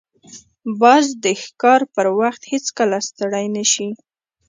باز د ښکار پر وخت هیڅکله ستړی نه شي